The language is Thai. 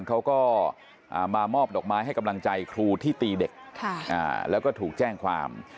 เขาก็มามอบดอกไม้ให้กำลังใจครูที่ตีเด็กแล้วก็ถูกแจ้งความ